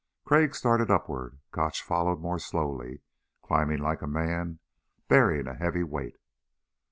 Crag started upward. Gotch followed more slowly, climbing like a man bearing a heavy weight.